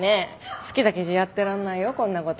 好きだけじゃやってられないよこんな事。